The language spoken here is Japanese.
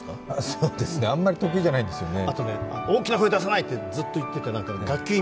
そうですね、あんまり得意じゃないんですよね。